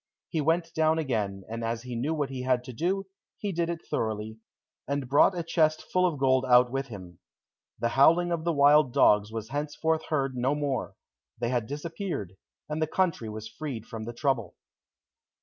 He went down again, and as he knew what he had to do, he did it thoroughly, and brought a chest full of gold out with him. The howling of the wild dogs was henceforth heard no more; they had disappeared, and the country was freed from the trouble.